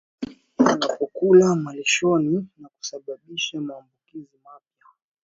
wanapokula malishoni na kusababisha maambukizi mapya